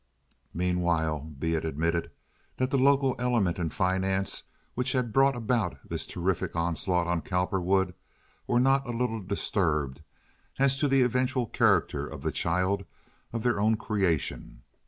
Meanwhile be it admitted that the local elements in finance which had brought about this terrific onslaught on Cowperwood were not a little disturbed as to the eventual character of the child of their own creation.